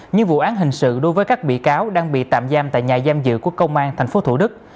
như vụ án hình sự đối với các bị cáo đang bị tạm giam tại nhà giam giữ của công an tp thủ đức